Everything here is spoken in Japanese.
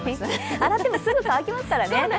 洗ってもすぐ乾きますからね。